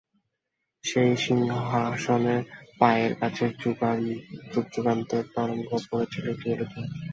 সেই সিংহাসনের পায়ের কাছে যুগযুগান্তরের তরঙ্গ পড়ছে লুটিয়ে লুটিয়ে।